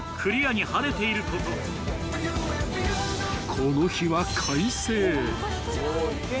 ［この日は快晴］